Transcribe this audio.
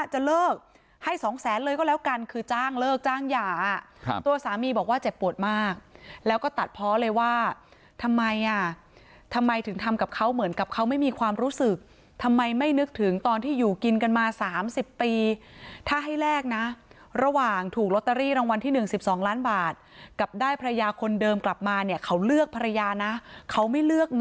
จะเลิกให้สองแสนเลยก็แล้วกันคือจ้างเลิกจ้างหย่าตัวสามีบอกว่าเจ็บปวดมากแล้วก็ตัดเพาะเลยว่าทำไมอ่ะทำไมถึงทำกับเขาเหมือนกับเขาไม่มีความรู้สึกทำไมไม่นึกถึงตอนที่อยู่กินกันมา๓๐ปีถ้าให้แลกนะระหว่างถูกลอตเตอรี่รางวัลที่๑๒ล้านบาทกับได้ภรรยาคนเดิมกลับมาเนี่ยเขาเลือกภรรยานะเขาไม่เลือกง